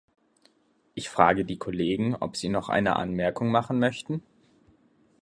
Ich frage die Kollegen, ob sie noch eine Anmerkung machen möchten?